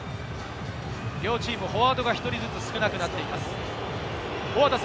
両チームフォワードが１人ずつ少なくなっています。